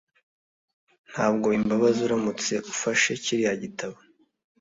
Ntabwo bimbabaza uramutse ufashe kiriya gitabo.